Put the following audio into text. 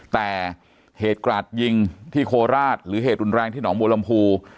แต่เหตุกราดยิงที่โคราชหรือเหตุรุนแรงที่หนองบัวลำพู